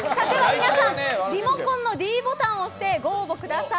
皆さんリモコンのｄボタンを押してご応募ください。